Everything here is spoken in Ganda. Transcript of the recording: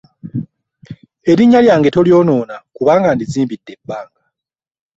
Erinnya lyange tolyonoona kubanga ndizimbidde ebbanga.